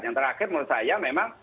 yang terakhir menurut saya memang